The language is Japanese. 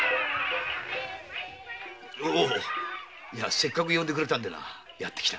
せっかく呼んでくれたんでなやってきた。